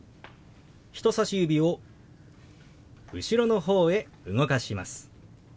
人さし指を後ろのほうへ動かします。